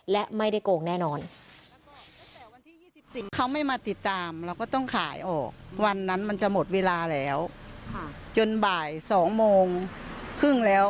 แต่วันที่๒๔เขาไม่มาติดตามเราก็ต้องขายออกวันนั้นมันจะหมดเวลาแล้วจนบ่าย๒โมงครึ่งแล้ว